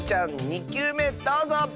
２きゅうめどうぞ！